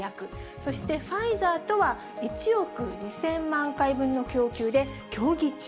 そしてファイザーとは、１億２０００万回分の供給で協議中。